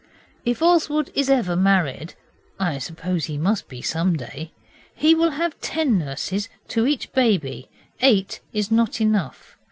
If Oswald is ever married I suppose he must be some day he will have ten nurses to each baby. Eight is not enough.